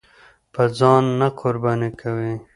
به ځان نه قرباني کوئ!